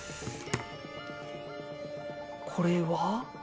これは。